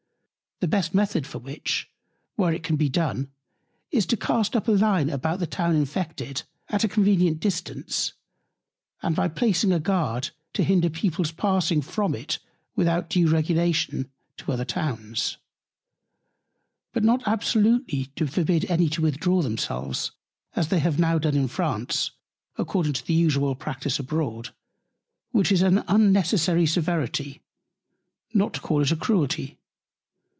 The best Method for which, where it can be done, is to cast up a Line about the Town infected, at a convenient Distance; and by placing a Guard, to hinder People's passing from it without due Regulation, to other Towns: But not absolutely to forbid any to withdraw themselves, as they have now done in France, according to the usual Practice abroad; which is an unnecessary Severity, not to call it a Cruelty.